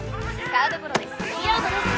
サードゴロでスリーアウトです